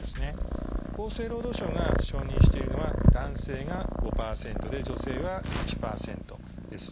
厚生労働省が承認しているのは男性が５％で女性は１％です。